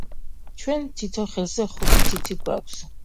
ჩვენ თითო ხელზე ხუთი თითი გვაქვს